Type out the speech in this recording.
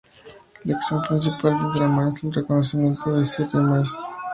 La acción principal del drama es el reconocimiento de Semíramis.